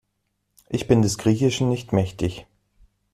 Ich bin des Griechischen nicht mächtig.